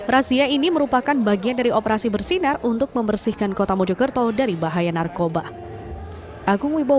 razia ini merupakan bagian dari operasi bersinar untuk membersihkan kota mojokerto dari bahaya narkoba